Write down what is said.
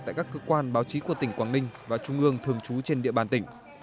tại các cơ quan báo chí của tỉnh quảng ninh và trung ương thường trú trên địa bàn tỉnh